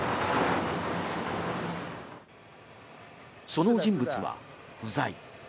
その人物は不在。